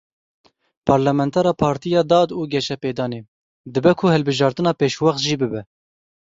Parlamentera Partiya Dad û Geşepêdanê, dibe ku hilbijartina pêşxwet jî bibe.